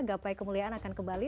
gapai kemuliaan akan kembali